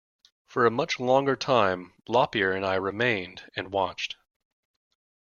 For a much longer time Lop-Ear and I remained and watched.